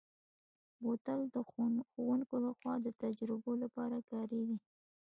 بوتل د ښوونکو لخوا د تجربو لپاره کارېږي.